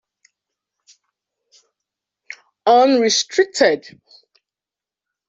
Unrestricted!